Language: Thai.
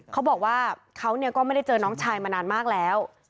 เขาบอกว่าเขาก็ไม่ได้เจอน้องชายมานานมากแล้ว